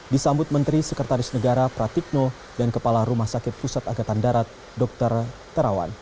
disambut menteri sekretaris negara pratikno dan kepala rumah sakit pusat agatan darat dr terawan